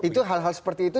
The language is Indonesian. itu hal hal seperti itu